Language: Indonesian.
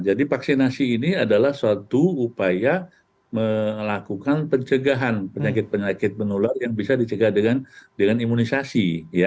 vaksinasi ini adalah suatu upaya melakukan pencegahan penyakit penyakit menular yang bisa dicegah dengan imunisasi